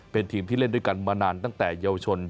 เป็นทีมที่เล่นด้วยกันมานานตั้งแต่เยาวชน